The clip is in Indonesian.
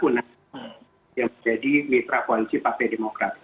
yang menjadi mitra koalisi partai demokrat